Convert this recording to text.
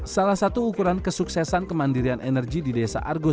salah satu ukuran kesuksesan kemandirian energi di desa argo